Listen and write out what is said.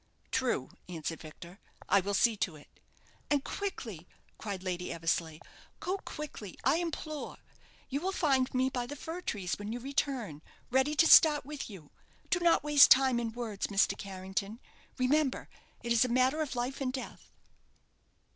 "True," answered Victor; "I will see to it." "And quickly!" cried Lady Eversleigh; "go quickly, I implore. You will find me by the fir trees when you return, ready to start with you! Do not waste time in words, Mr. Carrington. Remember, it is a matter of life and death."